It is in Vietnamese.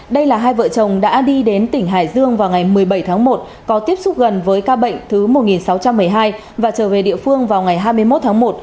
đây là hai vợ chồng đã đi đến tỉnh hải dương vào ngày một mươi bảy tháng một có tiếp xúc gần với ca bệnh thứ một nghìn sáu trăm một mươi hai và trở về địa phương vào ngày hai mươi một tháng một